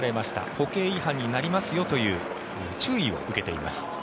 歩型違反になりますよという注意を受けています。